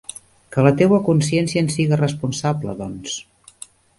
Que la teua consciència en siga responsable, doncs.